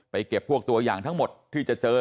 เก็บพวกตัวอย่างทั้งหมดที่จะเจอ